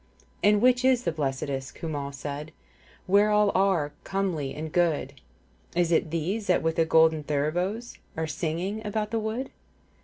'' And which is the blessedest, ' Cumhal said, ' Where all are comely and good ?' Is it these that with golden thuribles ' Are singing about the wood